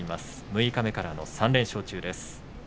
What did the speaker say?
六日目からの３連勝中です。